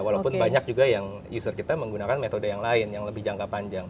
walaupun banyak juga yang user kita menggunakan metode yang lain yang lebih jangka panjang